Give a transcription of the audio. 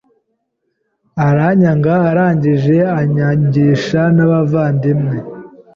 aranyanga arangije anyangisha n’abavandimwe